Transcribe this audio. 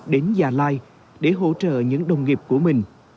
đến gia lai để hỗ trợ những đồng nghiệp của mình